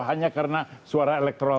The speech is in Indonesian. hanya karena suara elektronik